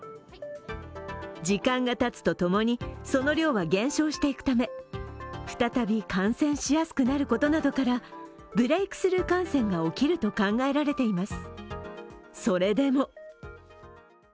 時間がたつとともに、その量は減少していくため再び感染しやすくなることなどからブレークスルー感染が起きると考えられています。